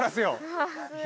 はい。